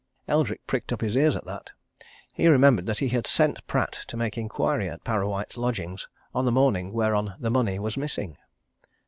Eldrick pricked up his ears at that. He remembered that he had sent Pratt to make inquiry at Parrawhite's lodgings on the morning whereon the money was missing.